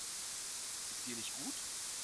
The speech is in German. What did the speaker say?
Ist dir nicht gut?